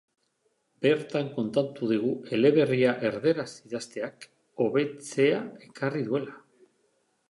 Bertan kontatu digu eleberria erderaz idazteak, hobetzea ekarri duela.